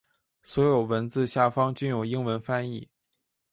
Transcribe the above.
所有文字下方均有英文翻译。